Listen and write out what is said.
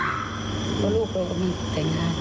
เพราะลูกเราก็มีแต่งงาน